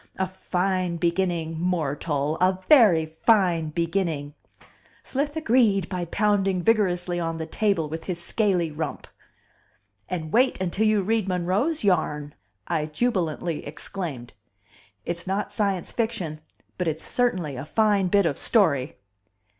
A fine beginning, mortal, a very fine beginning!" Slith agreed by pounding vigorously on the table with his scaly rump. "And wait until you read Monroe's yarn," I jubilantly exclaimed. "It's not science fiction, but it's certainly a fine bit of story."